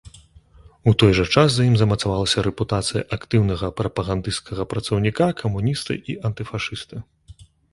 У той час за ім замацавалася рэпутацыя актыўнага прапагандысцкага працаўніка, камуніста і антыфашыста.